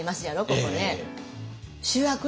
ここね。